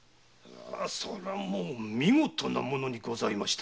それはもう見事なものにございました。